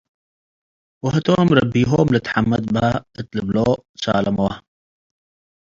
ወህቶም፤ “ረቢዉ ልትሐመድ”ፖ እት ልብሎ ትሳለመዎ።